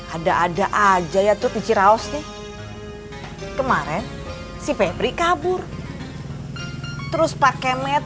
ada ada aja ya tuh pijeraus nih kemarin si febri kabur terus pakai med